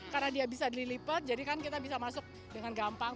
karena dia bisa dilipat jadi kan kita bisa masuk dengan gampang